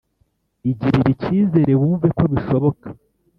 igirire icyizere wumve ko bishoboka.